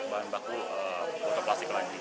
bahan baku botol plastik lagi